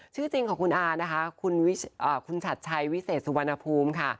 ชื่อจริงของคุณอานะคะคุณชัดชัยวิเศษสุวรรณภูมิค่ะ